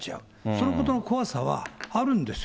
そのことの怖さはあるんですよ。